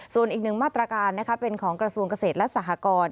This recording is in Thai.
ส่วนอีกหนึ่งมาตรการเป็นของกระทรวงเกษตรและสหกร